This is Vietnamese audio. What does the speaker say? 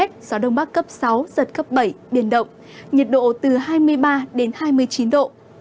gió đông bắc cấp sáu giật cấp bảy biển động nhiệt độ từ hai mươi ba đến hai mươi chín độ